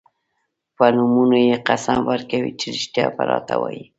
په نومونو یې قسم ورکوي چې رښتیا به راته وايي.